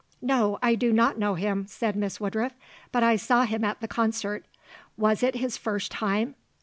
"No, I do not know him," said Miss Woodruff, "but I saw him at the concert. Was it his first time?